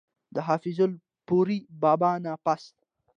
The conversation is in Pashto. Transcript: د حافظ الپورۍ بابا نه پس